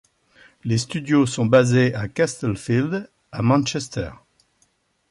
Les studios sont basés à Castlefield, à Manchester.